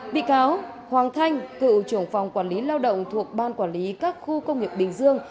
bị cáo hoàng thanh cựu trưởng phòng quản lý lao động thuộc ban quản lý các khu công nghiệp bình dương